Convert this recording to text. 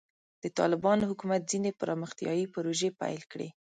د طالبانو حکومت ځینې پرمختیایي پروژې پیل کړې.